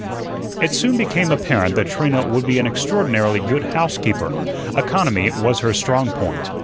It soon became apparent that Trina would be an extraordinarily good housekeeper. Economy was her strong point.